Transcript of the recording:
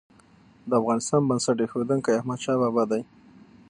د افغانستان بنسټ ايښودونکی احمدشاه بابا دی.